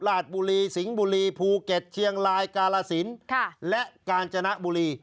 ราชบุรีสิงห์บุรีภูเก็ตเชียงรายกาลสินและกาญจนบุรี